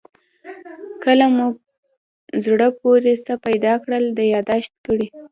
که مو زړه پورې څه پیدا کړل یادداشت کړئ.